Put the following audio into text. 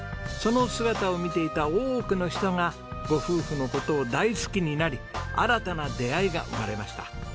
その姿を見ていた多くの人がご夫婦の事を大好きになり新たな出会いが生まれました。